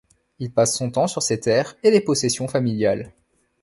Il passe son temps sur ses terres et les possessions familiales.